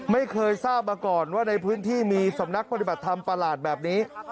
ไม่เคยทราบมาก่อนว่าในพื้นที่มีสำนักปฏิบัติธรรมประหลาดแบบนี้